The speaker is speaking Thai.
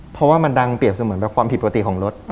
เพราะว่ามันดังเปรียบเสมือนแบบความผิดปกติของรถ